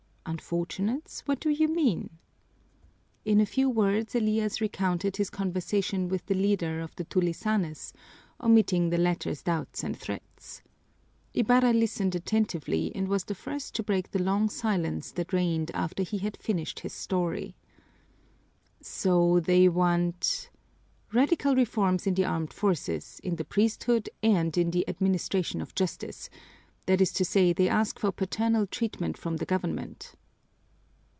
"Unfortunates? What do you mean?" In a few words Elias recounted his conversation with the leader of the tulisanes, omitting the latter's doubts and threats. Ibarra listened attentively and was the first to break the long silence that reigned after he had finished his story. "So they want " "Radical reforms in the armed forces, in the priesthood, and in the administration of justice; that is to say, they ask for paternal treatment from the government."